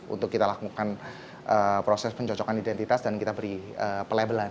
untuk kita lakukan proses pencocokan identitas dan kita beri pelabelan